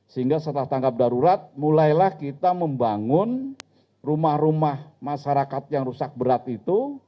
sehingga setelah tangkap darurat mulailah kita membangun rumah rumah masyarakat yang rusak berat itu